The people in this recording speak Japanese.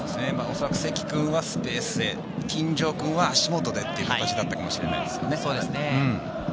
積君はスペースへ、金城君は足元へという形だったかもしれないですね。